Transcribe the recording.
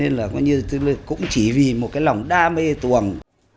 nên là nói như là cũng chỉ vì một cái lòng đam mê tuồng